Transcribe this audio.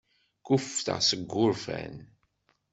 Kkuffteɣ seg wurfan.